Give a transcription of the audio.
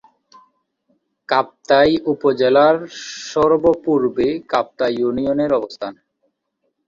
কাপ্তাই উপজেলার সর্ব-পূর্বে কাপ্তাই ইউনিয়নের অবস্থান।